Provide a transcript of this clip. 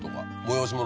催し物。